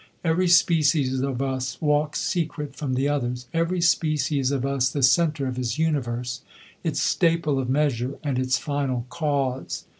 Every species of us walks secret from the others; every species of us the centre of his universe, its staple of measure, and its final cause.